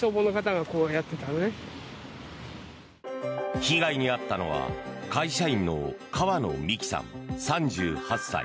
被害に遭ったのは会社員の川野美樹さん、３８歳。